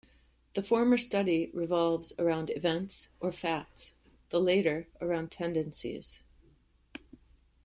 The former study revolves around events, or facts; the latter, around tendencies.